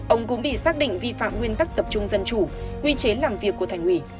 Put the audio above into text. ông cũng bị xác định vi phạm nguyên tắc tập trung dân chủ quy chế làm việc của thành ủy